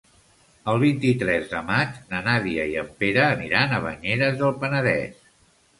El vint-i-tres de maig na Nàdia i en Pere aniran a Banyeres del Penedès.